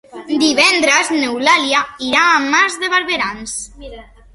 Divendres n'Eulàlia irà a Mas de Barberans.